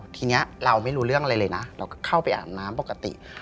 ทีนี้เราไม่รู้เรื่องอะไรเลยนะเราก็เข้าไปอาบน้ำปกติ